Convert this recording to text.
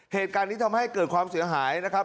เหตุการณ์นี้ทำให้เกิดความเสียหายนะครับ